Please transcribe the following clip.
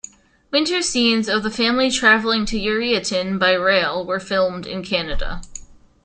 Winter scenes of the family traveling to Yuriatin by rail were filmed in Canada.